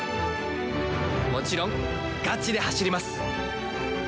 もちろんガチで走ります。